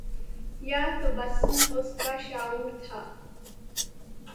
یا تبسم اُسکا شعور تھا